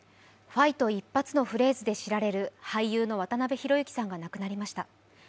「ファイト！一発！」のフレーズで知られる俳優の渡辺裕之さんが亡くなりました。